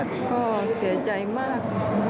ก็เสียใจมาก